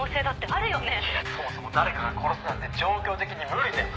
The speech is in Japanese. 「そもそも誰かが殺すなんて状況的に無理だよ。